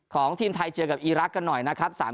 ของทีมไทยเจอกับอีรักษ์กันหน่อยนะครับ